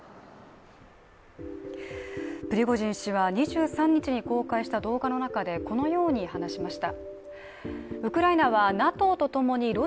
プリゴジン氏は２３日に公開した動画の中でこのように話しました。